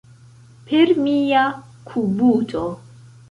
Per mia kubuto.